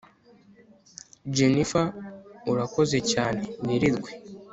jennifer urakoze cyane wirirwe